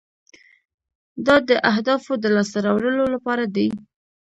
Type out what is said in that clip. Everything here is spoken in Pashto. دا د اهدافو د لاسته راوړلو لپاره دی.